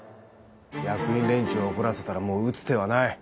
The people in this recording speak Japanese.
役員連中を怒らせたらもう打つ手はない。